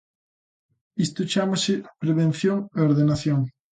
Isto chámase prevención e ordenación.